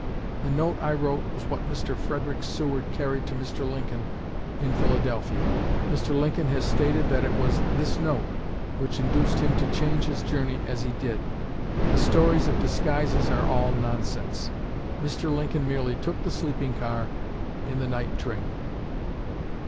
The note I wrote was what Mr. Frederick Seward carried to Mr. Lincoln in Philadelphia. Mr. Lincoln has stated that it was this note which induced him to change his journey as he did. The stories of disguises are all nonsense. Mr. Lincoln merely took the sleeping car in the night train."